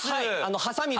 ハサミで。